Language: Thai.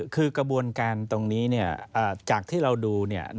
คือกระบวนการตรงนี้จากที่เราดู